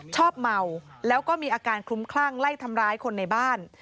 ชอบเมาแล้วก็มีอาการคลุ้มคลั่งไล่ทำร้ายคนในบ้าน